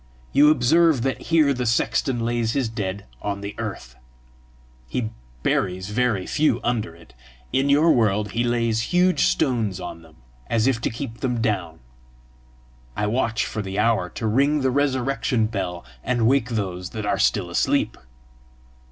You observe that here the sexton lays his dead on the earth; he buries very few under it! In your world he lays huge stones on them, as if to keep them down; I watch for the hour to ring the resurrection bell, and wake those that are still asleep.